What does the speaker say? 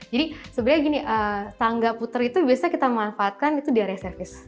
jadi sebenarnya gini tangga puter itu biasanya kita manfaatkan itu di area service